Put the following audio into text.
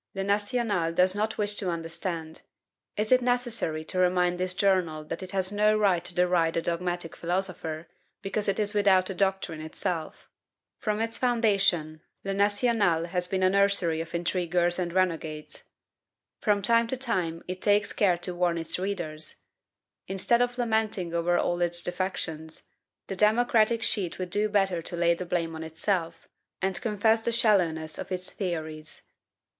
"Le National" does not wish to understand. Is it necessary to remind this journal that it has no right to deride a dogmatic philosopher, because it is without a doctrine itself? From its foundation, "Le National" has been a nursery of intriguers and renegades. From time to time it takes care to warn its readers. Instead of lamenting over all its defections, the democratic sheet would do better to lay the blame on itself, and confess the shallowness of its theories.